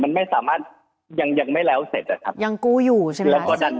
มันไม่สามารถยังไม่แล้วเสร็จอะครับยังกู้อยู่ใช่ไหม